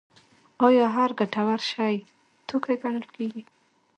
آیا هر ګټور شی توکی ګڼل کیږي؟